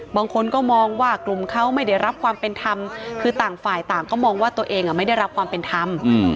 บางคนก็มองว่ากลุ่มเขาไม่ได้รับความเป็นธรรมคือต่างฝ่ายต่างก็มองว่าตัวเองไม่ได้รับความเป็นธรรม